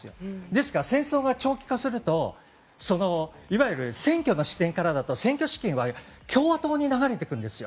ですから戦争が長期化するといわゆる選挙の視点からだと選挙資金は共和党に流れてくるんです。